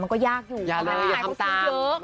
มันก็ยากอยู่เพราะแม่ฮายเขาซื้อเยอะ